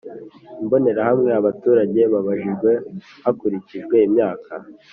Imbonerahamwe Abaturage babajijwe hakurikijwe imyaka